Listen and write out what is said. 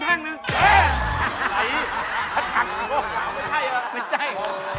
ไม่ใช่